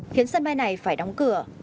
khiến sân bay này phải đóng cửa